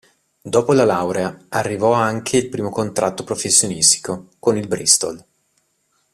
Dopo la laurea arrivò anche il primo contratto professionistico, con il Bristol.